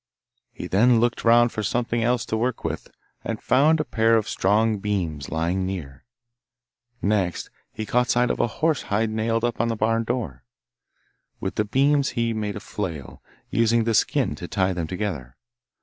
He then looked round for something else to work with, and found a pair of strong beams lying near. Next he caught sight of a horse hide nailed up on the barn door. With the beams he made a flail, using the skin to tie them together.